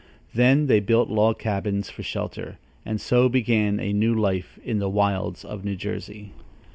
Then they built log cabins for shelter, and so began a new life in the wilds of New Jersey.